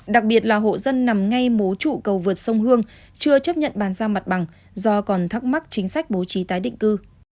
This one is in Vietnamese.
đặc biệt là hộ dân nằm ngay mố trụ cầu vượt sông hương chưa chấp nhận bàn giao mặt bằng do còn thắc mắc chính sách bố trí tái định cư